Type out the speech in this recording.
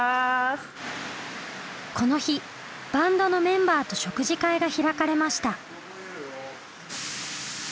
この日バンドのメンバーと食事会が開かれました。